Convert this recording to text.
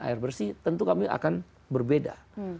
air bersih tentu kami akan berbeda